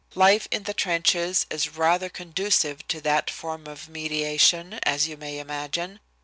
Life in the trenches is rather conducive to that form of mediation, as you may imagine.